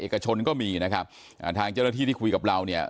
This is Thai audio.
เอกชนก็มีนะครับอ่าทางเจ้าหน้าที่ที่คุยกับเราเนี่ย